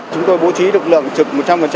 chúng tôi bố trí lực lượng trực một trăm linh